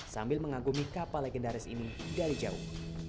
sambil mengagumi kapal legendaris ini dari jauh